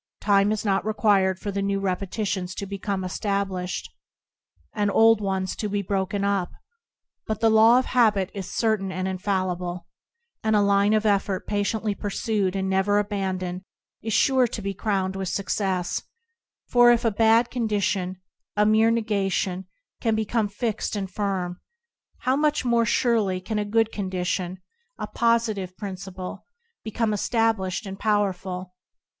Time is required for the new repetitions to become established, and the old ones to be broken up; but the law of habit is certain and infallible, and a line of effort patiently pursued and never aban doned, is sure to be crowned with success ; for if a bad condition, a mere negation, can become fixed and firm, how much more surely can a good condition, a positive prin c 25 ] span: fcmgofSpnO ciple, become established and powerful